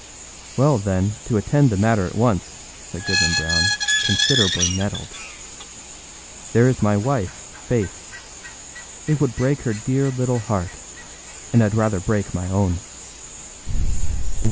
â âWell, then, to end the matter at once,â said Goodman Brown, considerably nettled, âthere is my wife, Faith. It would break her dear little heart; and Iâd rather break my own.